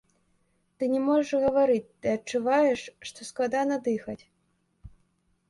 Ты не можаш гаварыць, ты адчуваеш, што складана дыхаць.